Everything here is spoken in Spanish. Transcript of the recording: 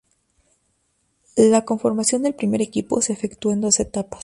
La conformación del primer equipo se efectuó en dos etapas.